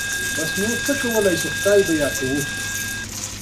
د اوسنیو ییږانو او غویانو د نیکونو د خپرېدو په اړه معلومات شته.